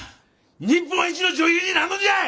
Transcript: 日本一の女優になんのじゃい！